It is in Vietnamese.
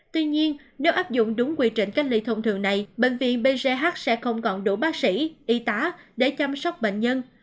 tuy nhiên nếu áp dụng đúng quy trình cách ly thông thường này bệnh viện bch sẽ không còn đủ bác sĩ y tá để chăm sóc bệnh nhân